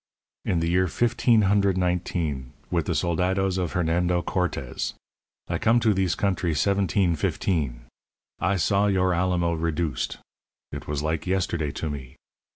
In the year fifteen hundred nineteen, with the soldados of Hernando Cortez. I come to thees country seventeen fifteen. I saw your Alamo reduced. It was like yesterday to me.